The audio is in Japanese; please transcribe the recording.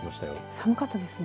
寒かったですね。